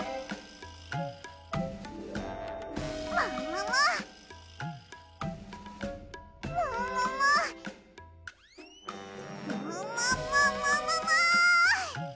ももも！ももももももも！